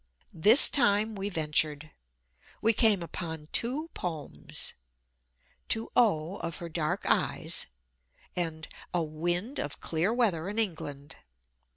This time we ventured. We came upon two poems "To O, Of Her Dark Eyes," and "A Wind of Clear Weather in England."